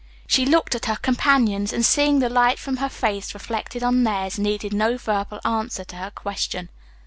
She looked at her companions and, seeing the light from her face reflected on theirs, needed no verbal answer to her question.